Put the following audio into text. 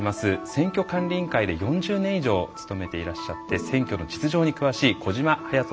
選挙管理委員会で４０年以上勤めていらっしゃって選挙の実情に詳しい小島勇人さんです。